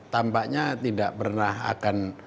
tampaknya tidak pernah akan